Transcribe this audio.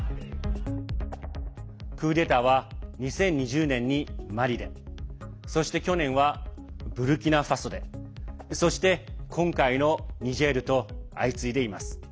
クーデターは２０２０年にマリでそして去年はブルキナファソでそして、今回のニジェールと相次いでいます。